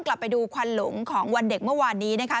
กลับไปดูควันหลงของวันเด็กเมื่อวานนี้นะคะ